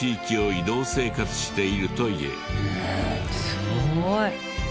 すごい。